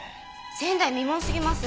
前代未聞すぎます。